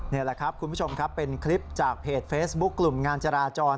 นี่แหละครับคุณผู้ชมครับเป็นคลิปจากเพจเฟซบุ๊คกลุ่มงานจราจร